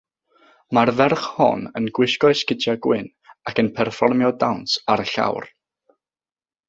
Mae'r ferch hon yn gwisgo esgidiau gwyn, ac yn perfformio dawns ar y llawr.